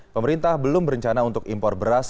pemerintah belum berencana untuk impor beras